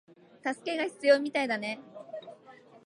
助けが必要みたいだね